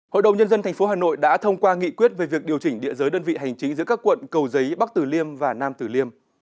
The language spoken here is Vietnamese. hội đồng nhân dân tp hà nội đã thông qua nghị quyết về việc điều chỉnh địa giới đơn vị hành chính giữa các quận cầu giấy bắc tử liêm và nam tử liêm